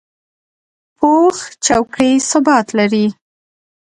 پوخ چوکۍ ثبات لري